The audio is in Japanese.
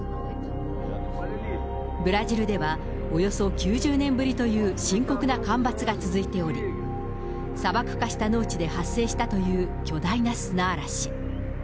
ブラジルでは、およそ９０年ぶりという深刻な干ばつが続いており、砂漠化した農地で発生したという巨大な砂嵐。